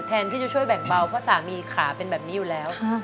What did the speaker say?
แทนที่จะช่วยแบ่งเบาเพราะสามีขาเป็นแบบนี้อยู่แล้ว